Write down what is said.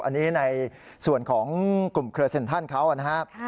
อันนี้ในส่วนของกลุ่มเครือเซ็นทรัลเขานะครับ